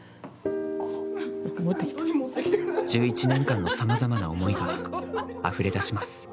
１１年間のさまざまな思いがあふれ出します。